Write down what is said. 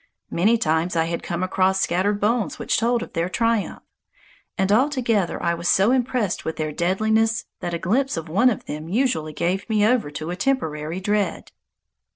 Many times I had come across scattered bones which told of their triumph; and altogether I was so impressed with their deadliness that a glimpse of one of them usually gave me over to a temporary dread.